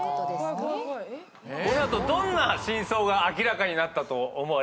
この後どんな真相が明らかになったと思われますか？